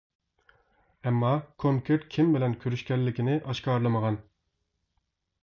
ئەمما كونكرېت كىم بىلەن كۆرۈشكەنلىكىنى ئاشكارىلىمىغان.